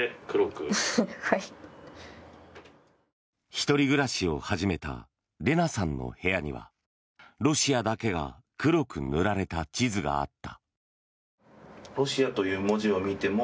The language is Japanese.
１人暮らしを始めたレナさんの部屋にはロシアだけが黒く塗られた地図があった。